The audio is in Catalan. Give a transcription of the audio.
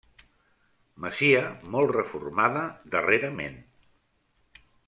Masia molt reformada darrerament.